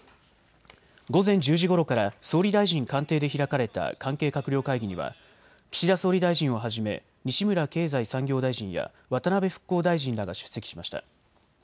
午前１０時ごろから総理大臣官邸で開かれた関係閣僚会議には岸田総理大臣をはじめ西村経済産業大臣や渡辺復興大臣らが出席しました。